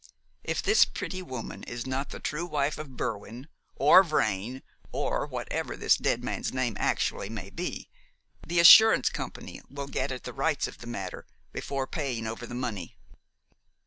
If this pretty woman is not the true wife of Berwin, or Vrain, or whatever this dead man's name actually may be, the assurance company will get at the rights of the matter before paying over the money."